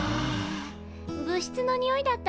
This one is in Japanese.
部室のにおいだったね。